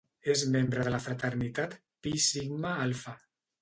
És membre de la fraternitat Pi Sigma Alfa.